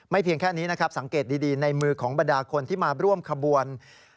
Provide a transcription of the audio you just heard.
เพียงแค่นี้นะครับสังเกตดีในมือของบรรดาคนที่มาร่วมขบวน